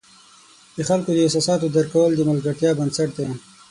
د خلکو د احساساتو درک کول د ملګرتیا بنسټ دی.